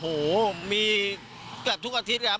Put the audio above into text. โหมีแค่ทุกอาทิตย์นะครับ